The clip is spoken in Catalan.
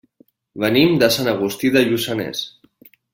Venim de Sant Agustí de Lluçanès.